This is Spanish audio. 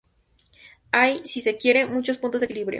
Hay, si se quiere, muchos puntos de equilibrio.